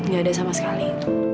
gak ada sama sekali